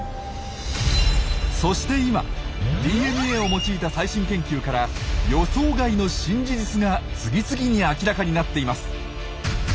そして今ＤＮＡを用いた最新研究から予想外の新事実が次々に明らかになっています。